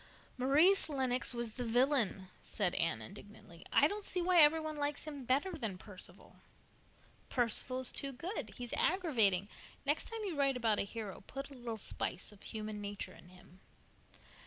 "Maurice Lennox was the villain," said Anne indignantly. "I don't see why every one likes him better than Perceval." "Perceval is too good. He's aggravating. Next time you write about a hero put a little spice of human nature in him."